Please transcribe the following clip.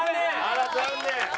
あら残念。